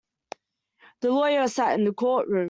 The lawyer sat in the courtroom.